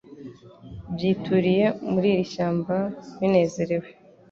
byituriye muri iri shyamba binezerewe